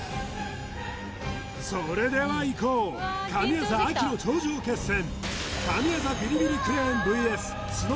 それではいこう神業秋の頂上決戦！